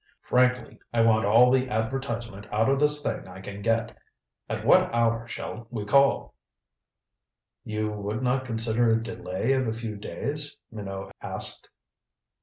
Frankly, I want all the advertisement out of this thing I can get. At what hour shall we call?" "You would not consider a delay of a few days?" Minot asked.